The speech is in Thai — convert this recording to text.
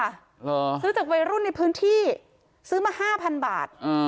หรอซื้อจากวัยรุ่นในพื้นที่ซื้อมาห้าพันบาทอืม